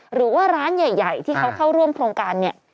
หรือว่าร้านใหญ่ที่เขาเข้าร่วมโครงการเนี่ย